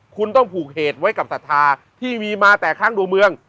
คุณต้องผูกเหตุไว้กับศรัทธาที่มีมาแต่ครั้งดวงเมือง